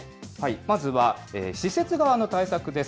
まずは、施設側の対策です。